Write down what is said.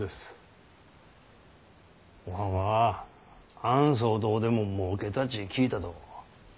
おはんはあん騒動でももうけたち聞いたど。